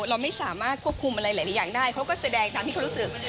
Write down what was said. เราไม่สามารถควบคุมอะไรหลายอย่างได้เขาก็แสดงตามที่เขารู้สึก